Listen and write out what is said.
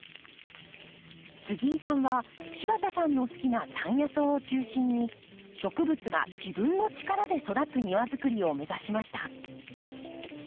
杉井さんは柴田さんの好きな山野草を中心に植物が自分の力で育つ庭づくりを目指しました。